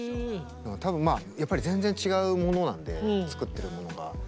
多分まあやっぱり全然違うものなので作ってるものが。